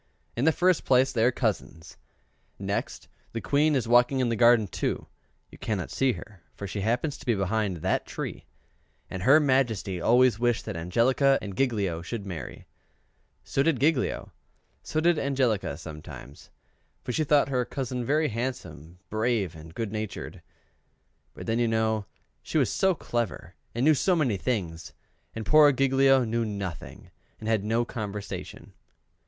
In the first place they are cousins; next, the Queen is walking in the garden too (you cannot see her, for she happens to be behind that tree), and her Majesty always wished that Angelica and Giglio would marry: so did Giglio: so did Angelica sometimes, for she thought her cousin very handsome, brave, and good natured; but then you know she was so clever and knew so many things, and poor Giglio knew nothing, and had no conversation.